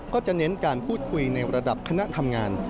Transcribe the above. ก็จะเน้นการพูดคุยในระดับคณะทำงาน